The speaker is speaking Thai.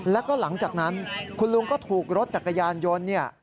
แล้วก็หลังจากนั้นคุณลุงก็ถูกรถจักรยานยนต์เนี่ย